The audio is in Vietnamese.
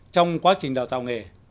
trong quá trình đào tạo nghề